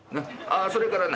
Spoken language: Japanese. あそれからな